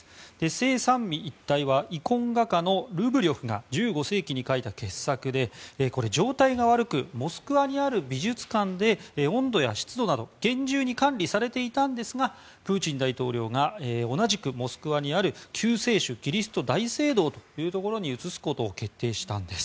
「聖三位一体」はイコン画家のルブリョフが１５世紀に描いた傑作でこれ、状態が悪くモスクワにある美術館で温度や湿度など厳重に管理されていたんですがプーチン大統領が同じくモスクワにある救世主キリスト大聖堂というところに移すことを決定したんです。